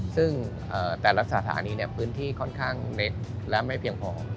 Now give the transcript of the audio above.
ซึ่งแต่ละสถานีพื้นที่ค่อนข้างเล็กและไม่เพียงพอ